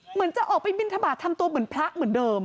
เหมือนจะออกไปบินทบาททำตัวเหมือนพระเหมือนเดิม